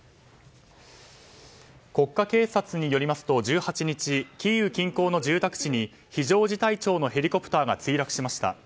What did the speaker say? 国家警察によりますと１８日キーウ近郊の住宅地に非常事態庁のヘリコプターが墜落しました。